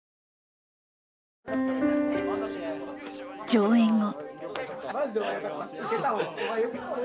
上演後。